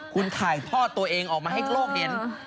คุณถ่ายทอดตัวเองออกมาให้โลกเห็น